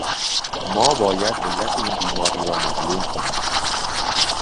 ما باید علت این بیماری را معلوم کنیم.